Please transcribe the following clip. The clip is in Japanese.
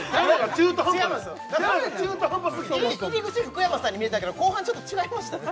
中途半端すぎて入り口福山さんに見えたけど後半ちょっと違いましたね